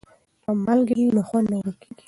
که مالګه وي نو خوند نه ورکیږي.